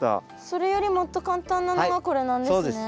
それよりもっと簡単なのがこれなんですね。